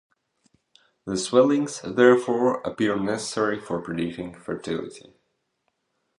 The swellings, therefore, appear necessary for predicting fertility.